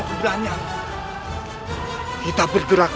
ayuh cepat antarkan aku